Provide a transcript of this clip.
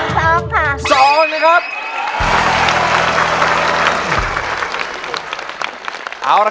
ช่วย